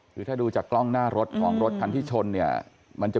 ถึงถ้าดูจากกล้องหน้ารถของรถพันธุ์ที่ชน